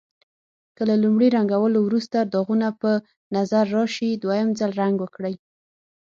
که له لومړي رنګولو وروسته داغونه په نظر راشي دویم ځل رنګ ورکړئ.